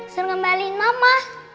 suruh ngembaliin mama